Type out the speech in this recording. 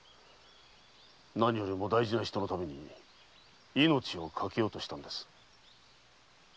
何よりも大事な人のために命を懸けようとしたのです。